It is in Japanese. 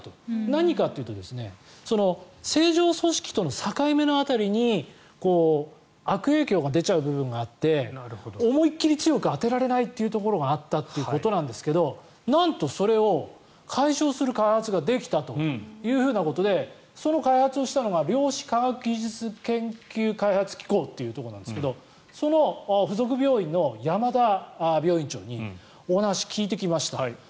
何かというと正常組織との境目の辺りに悪影響が出ちゃう部分があって思い切り強く当てられないというところがあったということなんですけどなんと、それを解消する開発ができたということでその開発をしたのが量子科学技術研究開発機構というところなんですがその付属病院の山田病院長にお話を聞いてきました。